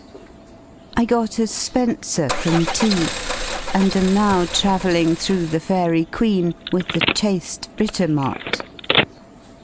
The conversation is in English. I got a "Spenser" from T , and am now travelling through "The Faerie Queen" with the cha^e Britomart.